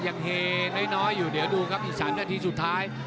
เฮน้อยอยู่เดี๋ยวดูครับอีก๓นาทีสุดท้าย